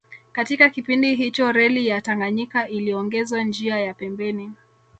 Katika kipindi hicho Reli ya Tanganyika iliongezwa njia ya pembeni